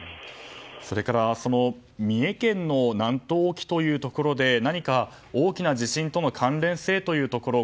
それから三重県の南東沖というところで何か大きな地震との関連性というところ。